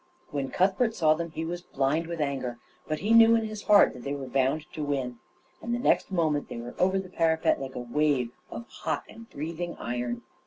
When Cuthbert saw them he was blind with anger, but he knew in his heart that they were bound to win; and next moment they were over the parapet like a wave of hot and breathing iron.